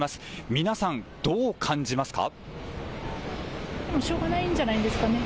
皆さん、どう感じますか。